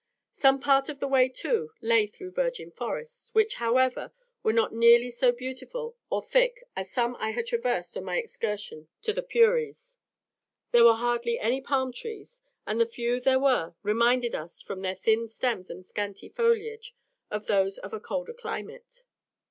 Some part of the way, too, lay through virgin forests, which, however, were not nearly so beautiful or thick as some I had traversed on my excursion to the Puris. There were hardly any palm trees, and the few there were, reminded us, from their thin stems and scanty foliage, of those of a colder climate.